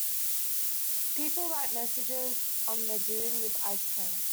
People write messages on the dune with ice plant.